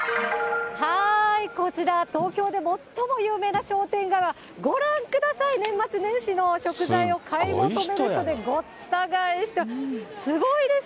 こちら、東京でもっとも有名な商店街、ご覧ください、年末年始の食材を買い求める人でごった返しています。